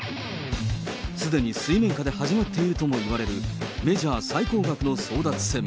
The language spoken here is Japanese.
すでに水面下で始まっているともいわれるメジャー最高額の争奪戦。